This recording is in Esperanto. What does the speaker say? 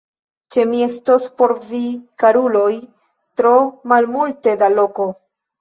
Ĉe mi estos por vi, karuloj, tro malmulte da loko!